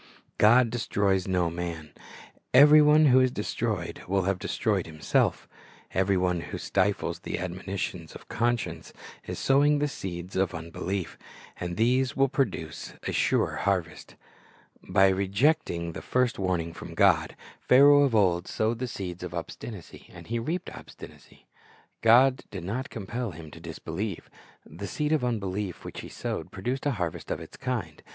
God destroys no man. Every one who is destroyed will have destroyed himself Every one who stifles the admonitions of conscience is sowing the seeds of unbelief, and these will produce a sure harvest. By rejecting the Other Lessons from Seed Sozving 85 first warning from God, Pharaoh of old sowed the seeds oi obstinacy, and he reaped obstinacy. God did not compel him to disbelieve. The seed of unbelief which he sowed, produced a harvest of its kind..